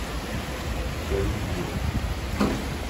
Gönn dir!